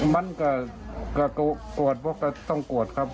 มันก็กลัวตกว่าต้องกลัวตครับ